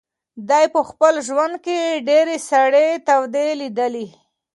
دی په خپل ژوند کې ډېرې سړې تودې لیدلي.